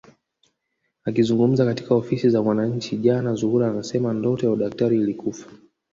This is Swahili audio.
Akizungumza katika ofisi za Mwananchi jana Zuhura anasema ndoto ya udaktari ilikufa